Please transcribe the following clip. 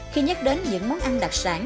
khi nhắc đến những món ăn đặc sản